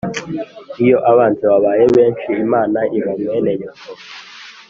Iyo abanzi babaye benshi Imana iba mwene nyoko.